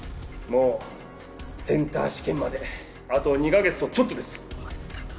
もうセンター試験まであと２カ月とちょっとです。